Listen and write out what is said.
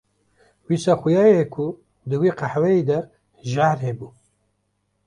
Wisa xwiya ye ku di wî qehweyî de jahr hebû.